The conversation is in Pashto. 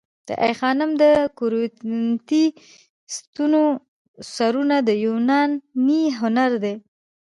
د آی خانم د کورینتی ستونو سرونه د یوناني هنر دي